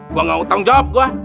gak nginep jawab gue